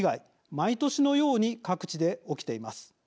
毎年のように各地で起きています。